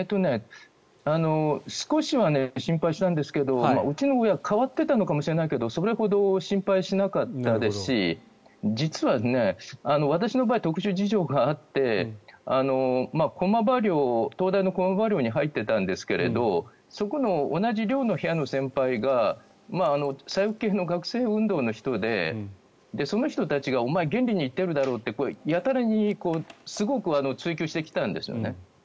少しは心配したんですけどうちの親変わってたのかもしれないけどそれほど心配しなかったですし実は私の場合は特殊事情があって東大の駒場寮に入っていたんですがそこの同じ寮の部屋の先輩が左翼系の学生運動の人でその人たちがお前原理に行ってるだろってやたらすごく追及してきたんですね。